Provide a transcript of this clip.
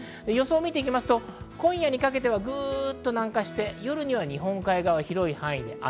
予想を見ていくと今夜にかけてぐっと南下して夜には日本海側、広い範囲で雨。